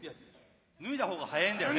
脱いだ方が早いんだよね。